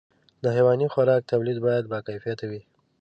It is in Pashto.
د حيواني خوراک توليد باید باکیفیته وي.